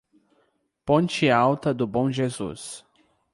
Ponte Alta do Bom Jesus